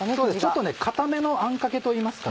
ちょっと固めのあんかけといいますか。